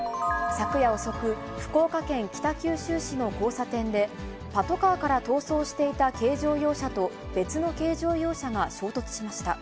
昨夜遅く、福岡県北九州市の交差点で、パトカーから逃走していた軽乗用車と別の軽乗用車が衝突しました。